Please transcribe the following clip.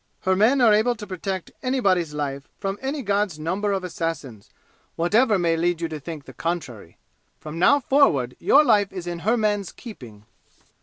"Her men are able to protect anybody's life from any God's number of assassins, whatever may lead you to think the contrary. From now forward your life is in her men's keeping!"